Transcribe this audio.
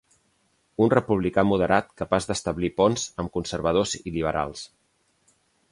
Un republicà moderat capaç d'establir ponts amb conservadors i liberals.